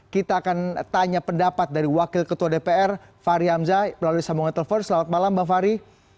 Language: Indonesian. kita akan tanya pendapat dari wakil ketua dpr fahri hamzah melalui sambungan telepon selamat malam bang fahri